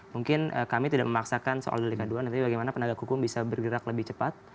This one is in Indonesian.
mungkin kami tidak memaksakan soal delik aduan tapi bagaimana penegak hukum bisa bergerak lebih cepat